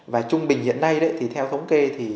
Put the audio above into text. và trung bình hiện nay theo thống kê